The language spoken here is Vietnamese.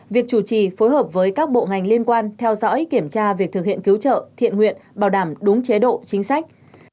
việc chủ trì phối hợp với các bộ ngành liên quan theo dõi kiểm tra việc thực hiện cứu trợ thiện nguyện bảo đảm đúng chế độ chính sách